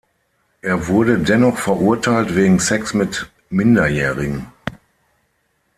Er wurde dennoch verurteilt wegen Sex mit Minderjährigen.